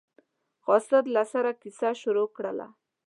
قاصد له سره کیسه شروع کړله.